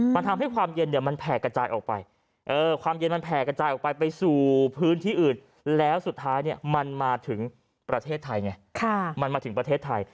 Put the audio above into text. มันทำให้ความเย็นแผ่กระจายออกไปไปสู่พื้นที่อื่นแล้วสุดท้ายมันมาถึงประเทศไทยไง